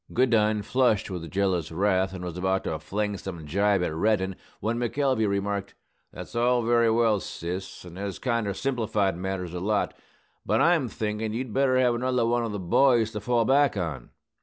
Goodine flushed with jealous wrath, and was about to fling some gibe at Reddin, when McElvey remarked, "That's all very well, sis; and has kinder simplified matters a lot. But I'm thinkin' you'd better have another one of the boys to fall back on.